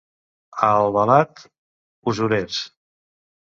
A Albalat, usurers.